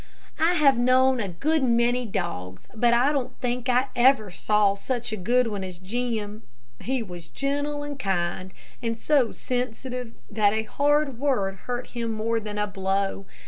I have known a good many dogs, but I don't think I ever saw such a good one as Jim. He was gentle and kind, and so sensitive that a hard word hurt him more than a blow.